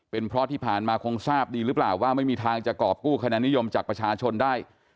เป็นเพราะที่ผ่านมาคงทราบดีหรือเปล่าว่าไม่มีทางจะกรอบกู้คะแนนนิยมจากประชาชนได้